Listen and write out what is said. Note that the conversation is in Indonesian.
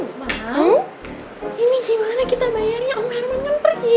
emang ini gimana kita bayarnya om herman kan pergi